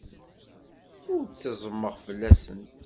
Ur ttezzmeɣ fell-asen.